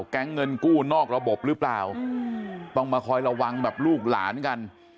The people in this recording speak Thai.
แก๊งเงินกู้นอกระบบหรือเปล่าต้องมาคอยระวังแบบลูกหลานกัน